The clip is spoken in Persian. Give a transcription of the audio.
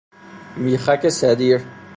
میخک صدیر